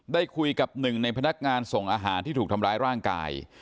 ได้คุยกับหนึ่งในพนักงานส่งอาหารที่ถูกทำร้ายร่างกาย